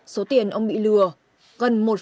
số tiền ông bị lừa gần một bốn tỷ đồng